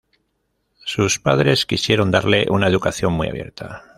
Sus padres quisieron darle una educación muy abierta.